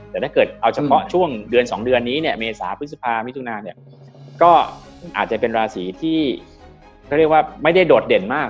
แต่ถ้าเกิดเอาเฉพาะช่วงเดือน๒เดือนนี้เนี่ยเมษาพฤษภามิถุนาเนี่ยก็อาจจะเป็นราศีที่เขาเรียกว่าไม่ได้โดดเด่นมาก